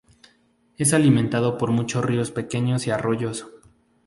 Es alimentado por muchos ríos pequeños y arroyos.